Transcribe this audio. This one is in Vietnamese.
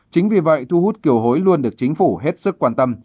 chính vì vậy thu hút kiều hối luôn được chính phủ hết sức quan tâm